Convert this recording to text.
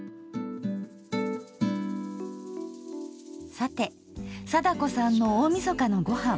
さて貞子さんの大みそかのごはん。